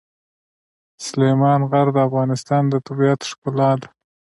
سلیمان غر د افغانستان د طبیعت د ښکلا برخه ده.